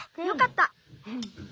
よかった。